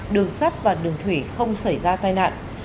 đường sắt và đường thủy không xảy ra tai nạn